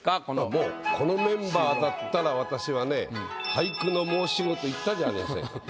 もうこのメンバーだったら私はねと言ったじゃありませんか。